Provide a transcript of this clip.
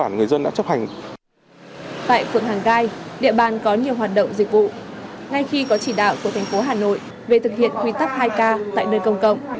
ngay khi có chỉ đạo của tp hà nội về thực hiện quy tắc hai k tại nơi công cộng